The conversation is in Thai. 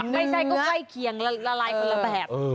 ไม่ใช่ก็ใกล้เคียงละลายคนละแบบ